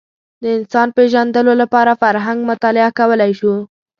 د انسانانو پېژندلو لپاره فرهنګ مطالعه کولی شو